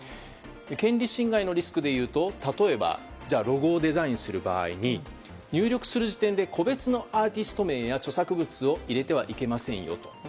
権利侵害のリスクでいうと例えば、ロゴをデザインする場合入力する時点で個別のアーティスト名や著作物を入れてはいけませんよと。